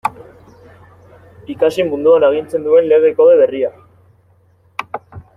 Ikasi munduan agintzen duen Lege Kode berria.